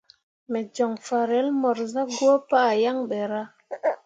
Me joŋ farel mor zah gwǝǝ pah yaŋ ɓe ra.